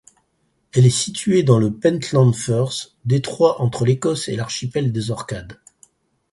Elle est située dans le Pentland Firth, détroit entre l'Écosse et l'archipel des Orcades.